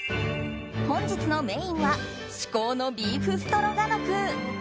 本日のメインは至高のビーフストロガノフ。